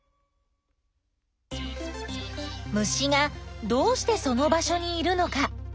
虫がどうしてその場所にいるのか？